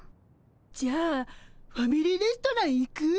じゃあファミリーレストラン行く？